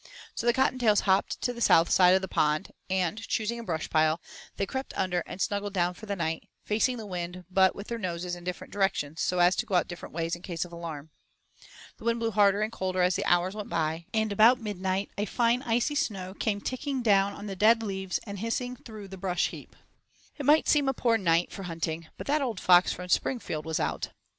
So the Cottontails hopped to the south side of the pond and, choosing a brush pile, they crept under and snuggled down for the night, facing the wind but with their noses in different directions so as to go out different ways in case of alarm. The wind blew harder and colder as the hours went by, and about midnight a fine icy snow came ticking down on the dead leaves and hissing through the brush heap. It might seem a poor night for hunting, but that old fox from Springfield was out.